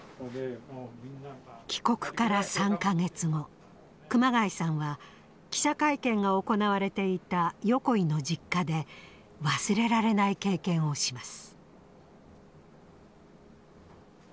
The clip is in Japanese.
帰国から３か月後熊谷さんは記者会見が行われていた横井の実家で忘れられない経験をします。